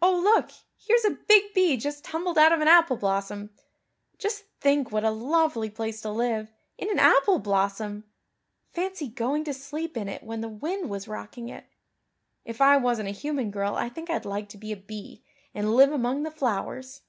Oh, look, here's a big bee just tumbled out of an apple blossom. Just think what a lovely place to live in an apple blossom! Fancy going to sleep in it when the wind was rocking it. If I wasn't a human girl I think I'd like to be a bee and live among the flowers."